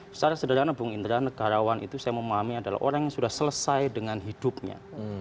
secara sederhana bung indra negarawan itu saya memahami adalah orang yang sudah selesai dengan hidupnya